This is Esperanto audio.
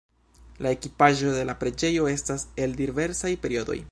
La ekipaĵo de la preĝejo estas el diversaj periodoj.